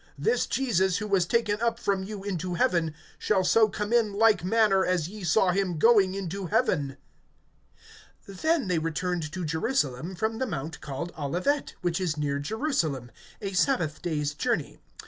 This Jesus, who was taken up from you into heaven, shall so come in like manner as ye saw him going into heaven. (12)Then they returned to Jerusalem from the mount called Olivet, which is near Jerusalem, a sabbath day's journey.